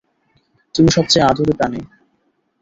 তুমি সবচেয়ে আদুরে প্রাণী।